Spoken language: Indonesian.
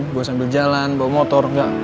gue sambil jalan bawa motor